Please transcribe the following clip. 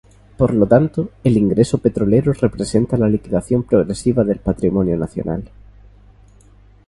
Por lo tanto, el ingreso petrolero representa la liquidación progresiva del patrimonio nacional.